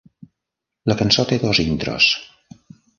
La cançó té dos intros.